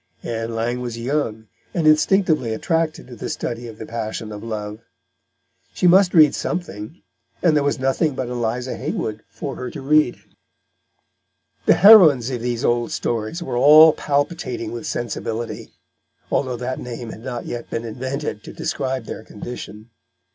Ann Lang was young, and instinctively attracted to the study of the passion of love. She must read something, and there was nothing but Eliza Haywood for her to read. The heroines of these old stories were all palpitating with sensibility, although that name had not yet been invented to describe their condition.